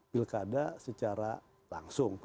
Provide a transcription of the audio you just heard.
pilkada secara langsung